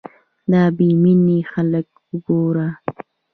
دا بې مينې خلک وګوره